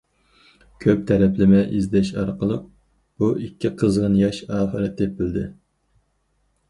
كۆپ تەرەپلىمە ئىزدەش ئارقىلىق بۇ ئىككى قىزغىن ياش ئاخىرى تېپىلدى.